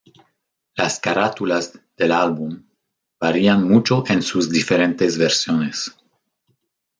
Las carátulas del álbum varían mucho en sus diferentes versiones.